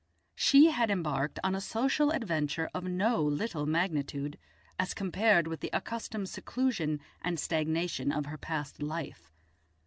She had embarked on a social adventure of no little magnitude as compared with the accustomed seclusion and stagnation of her past life.